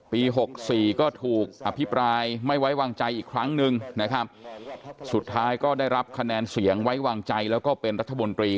หกสี่ก็ถูกอภิปรายไม่ไว้วางใจอีกครั้งหนึ่งนะครับสุดท้ายก็ได้รับคะแนนเสียงไว้วางใจแล้วก็เป็นรัฐมนตรี